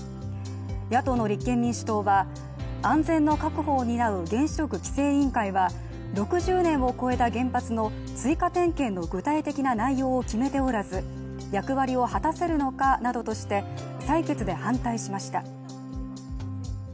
野党の立憲民主党は安全の確保を担う原子力規制委員会は６０年を超えた原発の追加点検の具体的な内容を決めておらず役割を果たせるのかなどとして採決で反対しました。